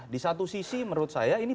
di satu sisi menurut saya ini